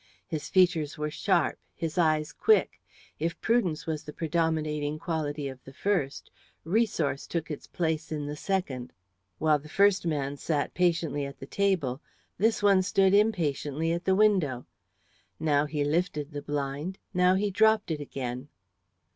His features were sharp, his eyes quick; if prudence was the predominating quality of the first, resource took its place in the second. While the first man sat patiently at the table, this one stood impatiently at the window. Now he lifted the blind, now he dropped it again.